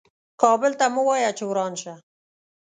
کابل ته مه وایه چې وران شه .